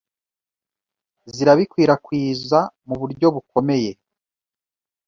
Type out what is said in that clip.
zirabikwirakwiza mu buryo bukomeye,